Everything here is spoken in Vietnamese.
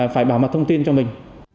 phải bảo mật thông tin cho mình